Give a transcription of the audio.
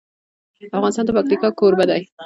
افغانستان د پکتیکا کوربه دی.